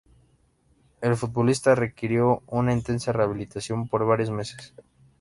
El futbolista requirió una intensa rehabilitación por varios meses.